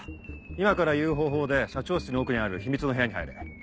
今から言う方法で社長室の奥にある秘密の部屋に入れ。